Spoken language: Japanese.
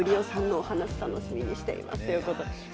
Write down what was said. お話を楽しみにしていますということです。